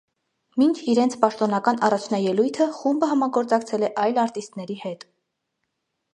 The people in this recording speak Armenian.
Մինչ իրենց պաշտոնական առաջնաելույթը խումբը համագործակցել է այլ արտիստների հետ։